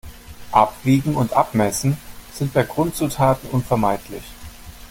Abwiegen und Abmessen sind bei Grundzutaten unvermeidlich.